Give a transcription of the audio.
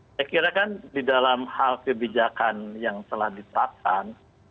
saya kira kan di dalam hal kebijakan yang telah ditetapkan